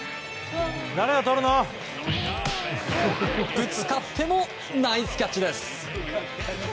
ぶつかってもナイスキャッチです。